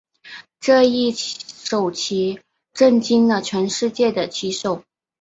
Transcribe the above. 这一手棋震惊了全世界的棋手。